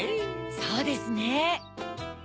そうですね。